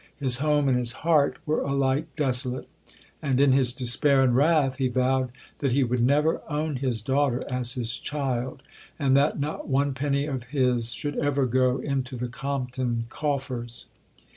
His home and his heart were alike desolate; and, in his despair and wrath, he vowed that he would never own his daughter as his child, and that not one penny of his should ever go into the Compton coffers.